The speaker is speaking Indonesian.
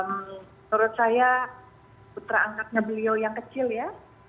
menurut saya putra angkatnya beliau yang kecil ya